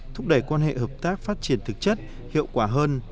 thúc đẩy quan hệ hợp tác phát triển thực chất hiệu quả hơn